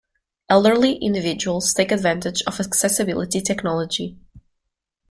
Elderly individuals take advantage of accessibility technology.